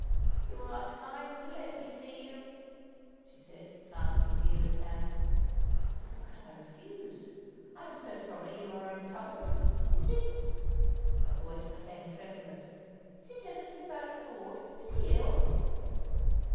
"You are kind to let me see you," she said, clasping Vera's hand. "How could I refuse? I am so sorry you are in trouble. Is it " her voice became tremulous, "is it anything about Claude? Is he ill?"